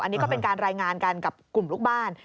อันนี้ก็เป็นการรายงานกันกับกลุ่มลูกบ้าน